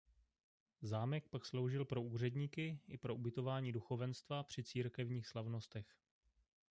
Zámek pak sloužil pro úředníky i pro ubytování duchovenstva při církevních slavnostech.